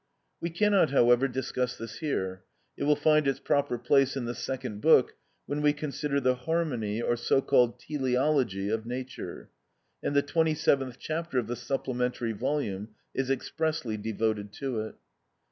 We cannot, however, discuss this here; it will find its proper place in the second book, when we consider the harmony or so called teleology of nature: and the 27th chapter of the supplementary volume is expressly devoted to it.